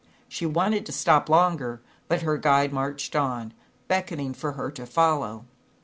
She wanted to stop longer, but her guide marched on, beckoning her to to to follow.